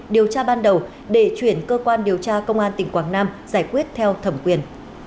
điều tra ban đầu để chuyển cơ quan điều tra công an tỉnh quảng nam giải quyết theo thẩm quyền